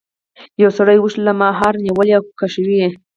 یو سړي اوښ له مهار نیولی او کشوي یې.